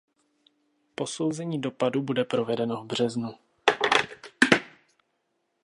Posouzení dopadu bude provedeno v březnu.